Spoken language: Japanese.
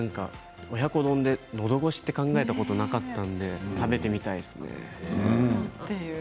親子丼でのど越しを考えたことなかったので食べてみたいですね。